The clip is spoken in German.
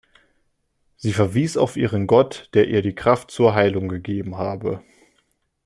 Sie verwies auf ihren Gott, der ihr die Kraft zur Heilung gegeben habe.